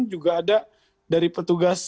juga ada dari petugas